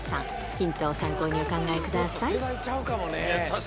ヒントを参考にお考えください。